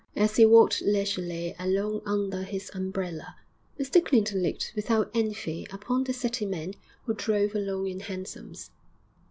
As he walked leisurely along under his umbrella, Mr Clinton looked without envy upon the city men who drove along in hansoms.